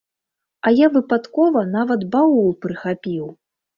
А я выпадкова нават баул прыхапіў.